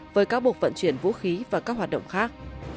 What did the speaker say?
với cáo buộc vận chuyển vũ khí và các hoạt động khác